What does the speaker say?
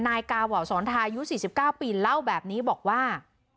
นายกาวาวสอนทายุ๔๙ปีเล่าแบบนี้บอกว่า